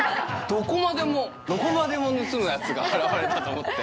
どこまでも、どこまでも盗むやつが現れたと思って。